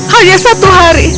hanya satu hari